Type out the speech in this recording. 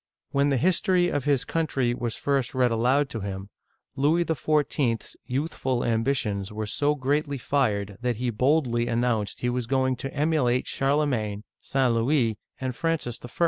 When the history of his country was first read aloud to him, Louis XIV.*s youthful ambitions were so greatly fired that he boldly announced he was going to emulate Charlemagne, St. Louis, and Francis I. !